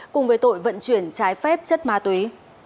cùng với tội vận chuyển trái phép chất ma túy